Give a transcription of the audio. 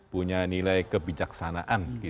punya nilai kebijaksanaan